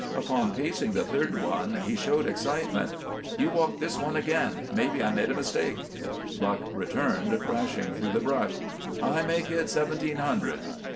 Upon pacing the third one, he showed excitement. "You walk this one again mebbe I made a mistake." Buck returned, crashing through the brush. "I make it seventeen hundred."